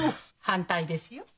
反対ですよ。